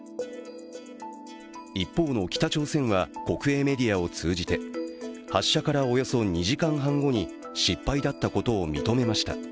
一方の北朝鮮は国営メディアを通じて、発射からおよそ２時間半後に失敗だったことを認めました。